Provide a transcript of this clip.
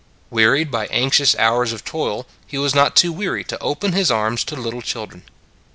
Wearied by anxious hours of toil, He was not too weary to open his arms to little children.